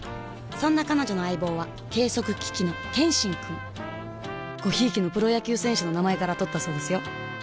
そんな彼女の相棒は計測機器の「ケンシン」くんご贔屓のプロ野球選手の名前からとったそうですよ